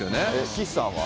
岸さんは？